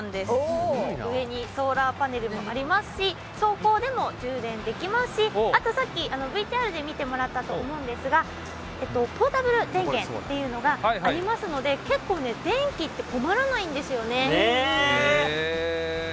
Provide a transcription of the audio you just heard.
上にソーラーパネルもありますし、走行でも充電できますしあとは、ＶＴＲで見てもらったポータブル電源というのがありますので電気困らないんですよ。